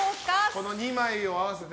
この２枚を合わせて。